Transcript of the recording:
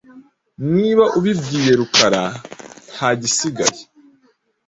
Niba ubibwiye Rukara ntagisigaye .